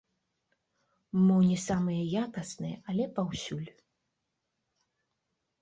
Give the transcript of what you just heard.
Мо не самыя якасныя, але паўсюль.